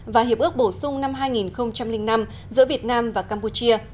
và hiệp ước bổ sung năm hai nghìn năm giữa việt nam và campuchia